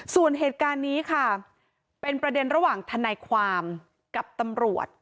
ส่วนเหตุการณ์นี้ค่ะเป็นประเด็นระหว่างทนายความกับตำรวจ